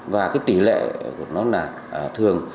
và tỷ lệ của nó là thường